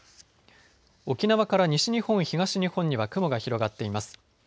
沖縄から西日本、東日本には雲が広がっています。